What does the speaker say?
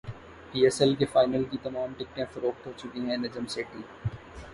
پی S L کے final کی تمام ٹکٹیں فروخت ہوچکی ہیں نجم سیٹھی